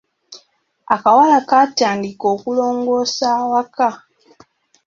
Akawala kaatandika okulongoosa awaka.